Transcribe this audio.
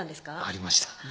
ありました